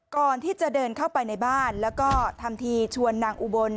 ก่อนที่จะเดินเข้าไปในบ้านแล้วก็ทำทีชวนนางอุบล